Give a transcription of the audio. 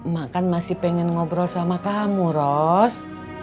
mak kan masih pengen ngobrol sama kamu ros